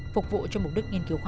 phục vụ bệnh viện của ông khôi